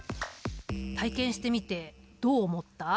体験してみてどう思った？